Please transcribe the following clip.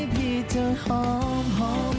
พี่เธอหอมหอม